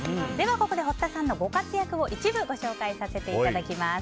ここで堀田さんのご活躍を一部、ご紹介させていただきます。